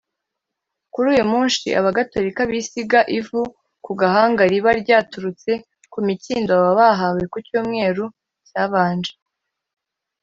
Kuri uyu munshi Abagatolika bisiga ivu ku gahanga riba ryaturutse ku mikindo baba bahawe ku cyumweru cyabanje